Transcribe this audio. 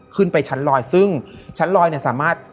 ขึ้นไปชั้นลอยซึ่งชั้นลอยเนี่ยสามารถ